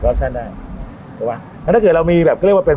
โปรกชั่นได้เห็นไหมถ้าเราไปไปที่มันสอบ